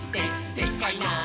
「でっかいなあ！」